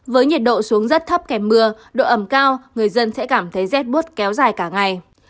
với nhiệt độ xuống rất thấp kèm mưa độ ẩm cao người dân sẽ cảm thấy rét bút kéo dài cả ngày